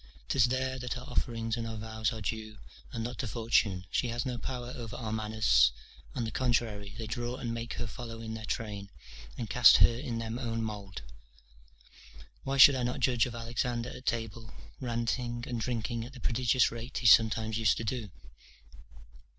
'Tis there that our offerings and our vows are due, and not to fortune she has no power over our manners; on the contrary, they draw and make her follow in their train, and cast her in their own mould. Why should not I judge of Alexander at table, ranting and drinking at the prodigious rate he sometimes used to do?